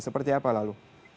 seperti apa lalu